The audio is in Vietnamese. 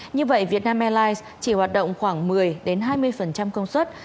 như vậy việt nam airlines chỉ hoạt động khoảng một mươi hai mươi công suất